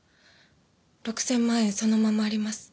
６千万円そのままあります。